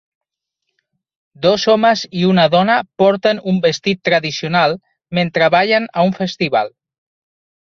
Dos homes i una dona porten un vestit tradicional mentre ballen a un festival